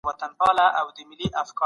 ټولنیز ژوند همکاري غواړي.